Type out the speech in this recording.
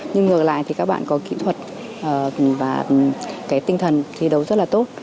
nhưng ngược lại thì các bạn có kỹ thuật và cái tinh thần thi đấu rất là tốt